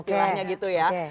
istilahnya gitu ya